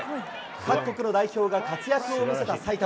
各国の代表が活躍を見せた埼玉。